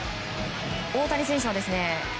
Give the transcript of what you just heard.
大谷選手はですね